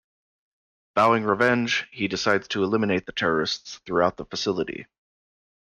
Vowing revenge, he decides to eliminate the terrorists throughout the facility.